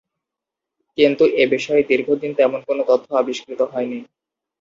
কিন্তু এবিষয়ে দীর্ঘদিন তেমন কোনো তথ্য আবিস্কৃত হয়নি।